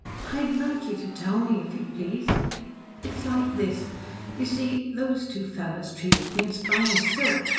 "I'd like you to tell me, if you please. It's like this. You see those two fellows treated me as fine as silk.